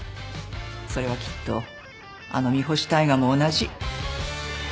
それはきっとあの三星大海も同じ。